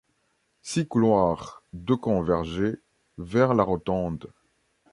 Six couloirs de convergeaient vers la rotonde.